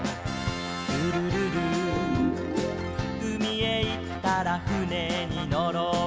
「ルルルル」「うみへいったらふねにのろうよ」